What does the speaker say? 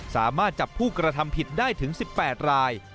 สามารถจับผู้กระทำผิดได้ถึง๑๘ราย